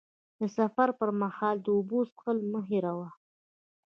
د سفر پر مهال د اوبو څښل مه هېروه.